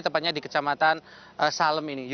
tepatnya di kecamatan salem ini